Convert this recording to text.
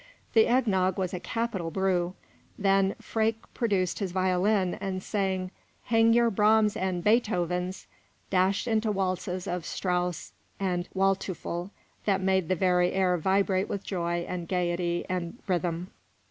The egg nog was a capital brew. Then Freke produced his violin, and saying, "Hang your Brahms and Beethovens!" dashed into waltzes of Strauss and Waldteufel that made the very air vibrate with joy and gayety and rhythm.